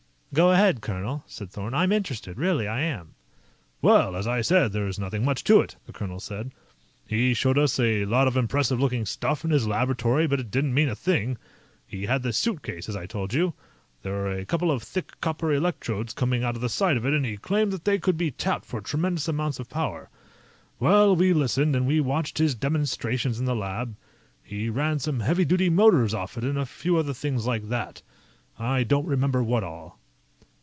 "Go ahead, colonel," said Thorn. "I'm interested. Really I am." "Well, as I said, there's nothing much to it," the colonel said. "He showed us a lot of impressive looking stuff in his laboratory, but it didn't mean a thing. He had this suitcase, as I told you. There were a couple of thick copper electrodes coming out of the side of it, and he claimed that they could be tapped for tremendous amounts of power. Well, we listened, and we watched his demonstrations in the lab. He ran some heavy duty motors off it and a few other things like that. I don't remember what all."